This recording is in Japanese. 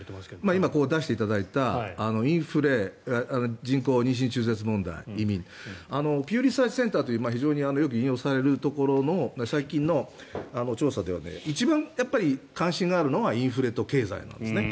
今出していただいたインフレ、人工妊娠中絶、移民ピュー・リサーチ・センターというよく引用されるところの最近の調査では一番関心があるのはインフレと経済なんですね。